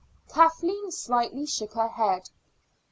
Kathleen slightly shook her head.